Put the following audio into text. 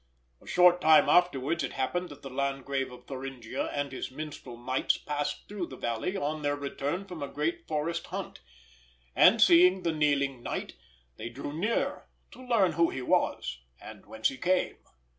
A short time afterwards, it happened that the Landgrave of Thuringia and his minstrel knights passed through the valley on their return from a great forest hunt; and seeing the kneeling Knight, they drew near to learn who he was, and whence he came.